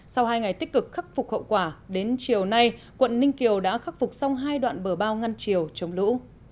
sau hai ngày tích cực khắc phục hậu quả đến chiều nay quận ninh kiều đã khắc phục xong hai đoạn bờ bao ngăn chiều chống lũ